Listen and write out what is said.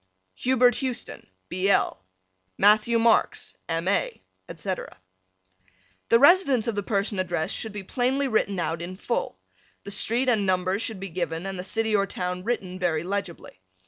Hubert Houston, B. L. Matthew Marks, M. A., etc. The residence of the person addressed should be plainly written out in full. The street and numbers should be given and the city or town written very legibly.